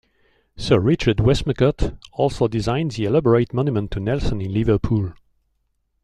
Sir Richard Westmacott also designed the elaborate monument to Nelson in Liverpool.